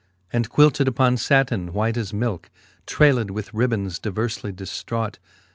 And quilted uppon fatin white as milke, Trayled with ribbands diverfly diftraught.